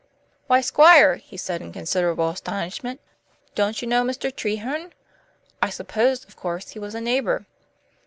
"Why, Squire," he said in considerable astonishment, "don't you know Mr. Treherne? I supposed, of course, he was a neighbor."